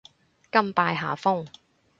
甘拜下風